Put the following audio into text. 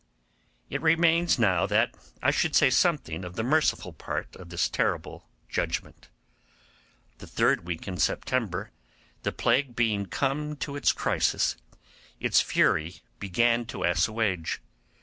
It remains now that I should say something of the merciful part of this terrible judgement. The last week in September, the plague being come to its crisis, its fury began to assuage.